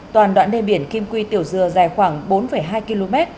toàn đoạn đê biển kim quy tiểu dừa dài khoảng bốn hai km